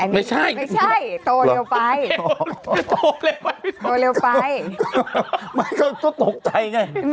ไม่ใช่อันนี้ไม่ใช่